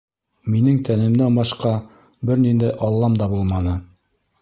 Минең тәнемдән башҡа бер ниндәй Аллам да булманы.